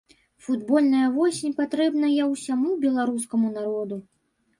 Футбольная восень патрэбна я ўсяму беларускаму народу.